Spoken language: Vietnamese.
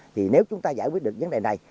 thì nếu chúng ta giải quyết được vấn đề này